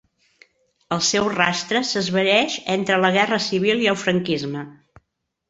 El seu rastre s'esvaeix entre la Guerra Civil i el franquisme.